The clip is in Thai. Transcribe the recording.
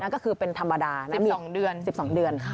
ก็คือเป็นธรรมดา๑๒เดือน